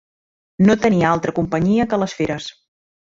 No tenia altra companyia que les feres.